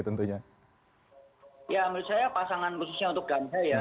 ya menurut saya pasangan khususnya untuk ganda ya